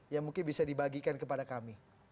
yang mungkin bisa dibagikan kepada kami